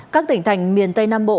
các tỉnh thành miền tây nam bộ